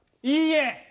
いいえ。